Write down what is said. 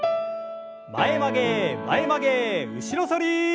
前曲げ前曲げ後ろ反り。